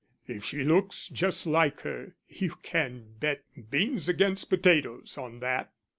"If she looks just like her you can bet beans against potatoes on that."